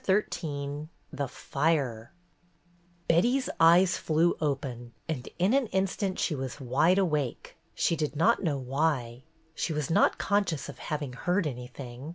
XIII THE FIRE B ETTY'S eyes flew open and in an instant she was wide awake. She did not know why. She was not conscious of having heard anything.